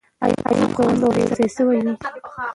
ایوب خان به ورسره یو ځای سوی وي.